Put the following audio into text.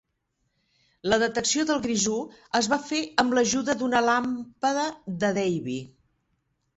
La detecció del grisú es va fer amb l"ajuda d'una làmpada de Davy.